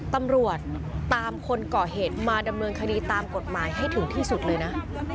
ตำรวจตามคนก่อเหตุมาดำเนินคดีตามกฎหมายให้ถึงที่สุดเลยนะ